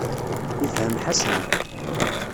Yefhem Ḥasan.